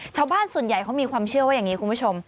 ชาวบ้านส่วนใหญ่เขามีความเชื่อว่าอย่างนี้คุณผู้ชม